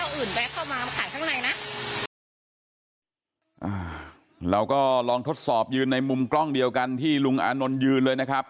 เราก็ลองทดสอบยืนในมุมกล้องเดียวกันที่ลุงอานนท์ยืนเลยนะครับ